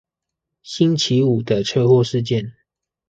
星期五的車禍事件